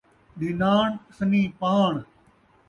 نناݨ ، سنیں پاݨ